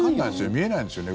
見えないですよね。